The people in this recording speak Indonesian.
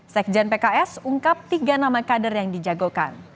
sekjen pks ungkap tiga nama kader yang dijagokan